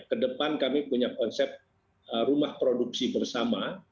kedepan kami punya konsep rumah produksi bersama